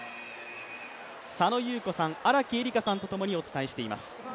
佐野優子さん、荒木絵里香さんと共にお伝えしています。